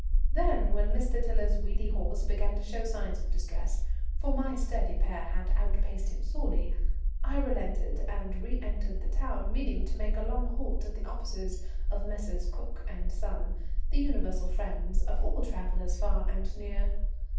Then when Mr. Tiler's weedy horse began to show signs of distress, for my sturdy pair had outpaced him sorely, I relented and reëntered the town, meaning to make a long halt at the office of Messrs. Cook and Son, the universal friends of all travellers far and near.